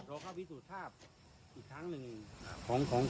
และก็คือว่าถึงแม้วันนี้จะพบรอยเท้าเสียแป้งจริงไหม